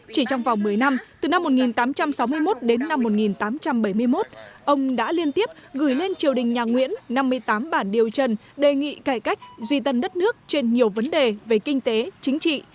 chỉ trong vòng một mươi năm từ năm một nghìn tám trăm sáu mươi một đến năm một nghìn tám trăm bảy mươi một ông đã liên tiếp gửi lên triều đình nhà nguyễn năm mươi tám bản điều trần đề nghị cải cách duy tân đất nước trên nhiều vấn đề về kinh tế chính trị